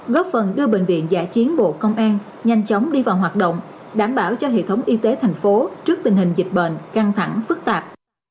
góp phần đưa bệnh viện giả chiến bộ công an nhanh chóng đi vào hoạt động đảm bảo cho hệ thống y tế thành phố trước tình hình dịch bệnh căng thẳng phức tạp